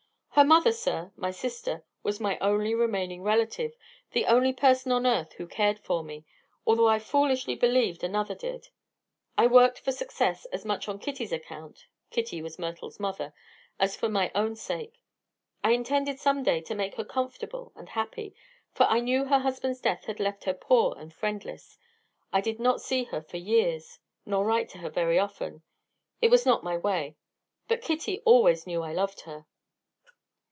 Her mother, sir, my sister, was my only remaining relative, the only person on earth who cared for me although I foolishly believed another did. I worked for success as much on Kitty's account Kitty was Myrtle's mother as for my own sake. I intended some day to make her comfortable and happy, for I knew her husband's death had left her poor and friendless. I did not see her for years, nor write to her often; it was not my way. But Kitty always knew I loved her."